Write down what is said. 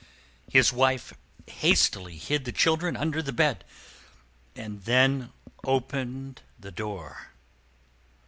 His wife hastily hid the children under the bed, and then opened the door.